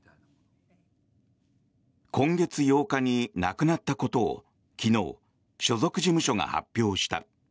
今月８日に亡くなったことを昨日、所属事務所が発表した。